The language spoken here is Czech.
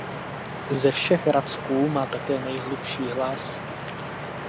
Ze všech racků má také nejhlubší hlas.